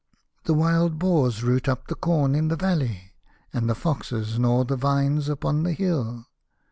The wild boar roots up the corn in the valley, and the foxes gnaw the vines upon the hill.